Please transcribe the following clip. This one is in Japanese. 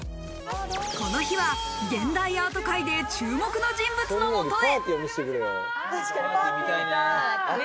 この日は現代アート界で注目の人物の元へ。